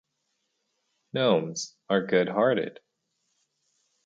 Gnomes are good-hearted.